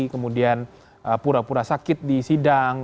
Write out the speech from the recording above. kemudian pura pura sakit di sidang